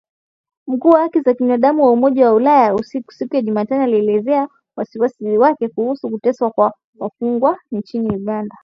Mkuu wa haki za binadamu wa Umoja wa Ulaya siku ya Jumatano alielezea wasiwasi wake kuhusu kuteswa kwa wafungwa nchini Uganda